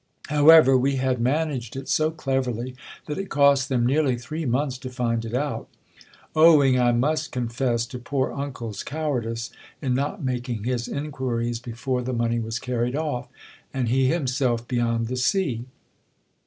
However, v/c had managed it so cleverly, that it cost them nearly three months to find it out ; owing, I must confess, to poor uncle's cow "ardice, in not making, his inquiries before the money was carried off, and he himself be} ond tlie sea.